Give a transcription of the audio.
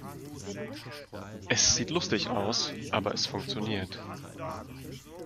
Es sieht lustig aus, aber es funktioniert.